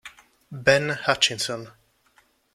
Ben Hutchinson